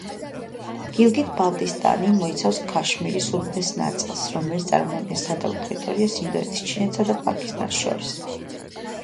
გილგიტ-ბალტისტანი მოიცავს ქაშმირის უდიდეს ნაწილს, რომელიც წარმოადგენს სადავო ტერიტორიას ინდოეთს, ჩინეთსა და პაკისტანს შორის.